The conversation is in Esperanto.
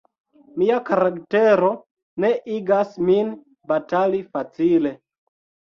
Mia karaktero ne igas min batali facile.